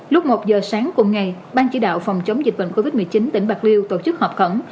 lúc một giờ sáng cùng ngày ban chỉ đạo phòng chống dịch bệnh covid một mươi chín tỉnh bạc liêu tổ chức họp khẩn